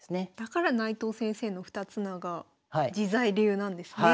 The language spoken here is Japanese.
だから内藤先生の二つ名が自在流なんですね。